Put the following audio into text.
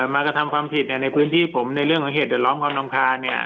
มากระทำความผิดในพื้นที่ผมในเรื่องของเหตุเดินล้อมความรำคาญเนี่ย